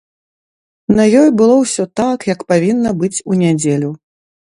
На ёй было ўсё так, як павінна быць у нядзелю.